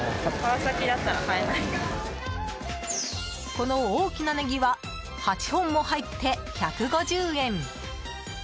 この大きなネギは８本も入って、１５０円。